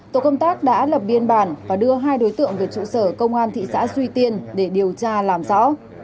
tổ công tác đã lập biên bản và đưa hai đối tượng về trụ sở công an thị xã duy tiên để điều tra làm rõ